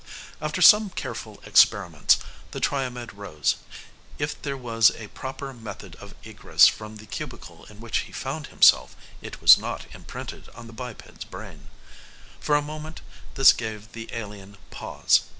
After some careful experiments, the Triomed rose. If there was a proper method of egress from the cubicle in which he found himself, it was not imprinted on the biped's brain. For a moment this gave the alien pause.